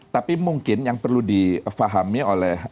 tapi mungkin yang perlu difahami oleh